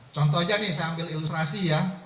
contoh aja nih saya ambil ilustrasi ya